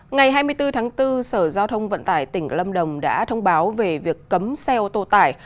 ngày hai mươi bốn tháng bốn sở giao thông vận tải tỉnh lâm đồng đã thông báo về việc cấm xe ô tô tải